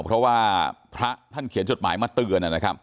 เพราะว่าพระท่านเขียนจดหมายมาเตือนนะครับ